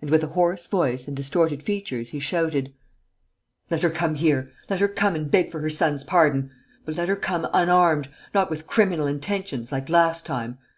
And, with a hoarse voice and distorted features, he shouted: "Let her come here! Let her come and beg for her son's pardon! But let her come unarmed, not with criminal intentions, like last time!